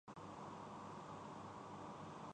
قیمتی handbag رکھنے کا شوق تھا۔